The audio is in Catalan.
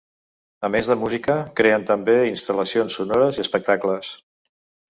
A més de música, creen també instal·lacions sonores i espectacles.